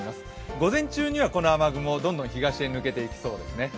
午前中には、この雨雲、どんどん東へ抜けていきそうですね。